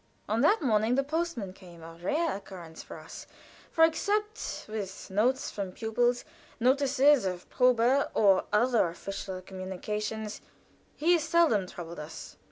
On that morning the postman came a rather rare occurrence with us; for, except with notes from pupils, notices of proben, or other official communications, he seldom troubled us.